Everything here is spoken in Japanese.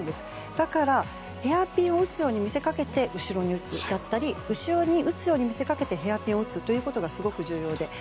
だからヘアピンを打つように見せかけて後ろに打つだったり後ろに打つように見せかけてヘアピンを打つというのがすごく重要で。